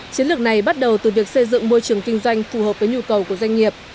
chiến lược này bắt đầu từ việc xây dựng môi trường kinh doanh phù hợp với nhu cầu của doanh nghiệp